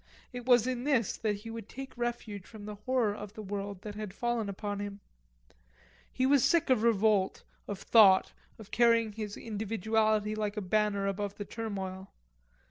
It was in this that he would take refuge from the horror of the world that had fallen upon him. He was sick of revolt, of thought, of carrying his individuality like a banner above the turmoil.